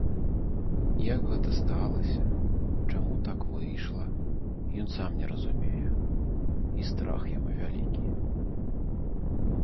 Як гэта сталася, чаму так выйшла, ён сам не разумее, і страх яму вялікі.